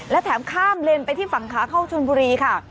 และแถมข้ามเลนไปที่ฝั่งขาเข้าชนบุรีค่ะ